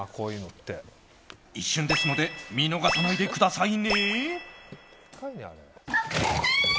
一瞬ですので見逃さないでくださいね。